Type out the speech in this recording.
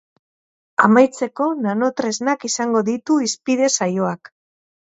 Amaitzeko, nanotresnak izango ditu hizpide saioak.